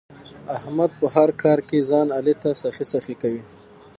احمد په هر کار کې ځان علي ته سخی سخی کوي.